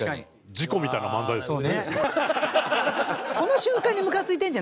事故みたいな漫才ですもんね。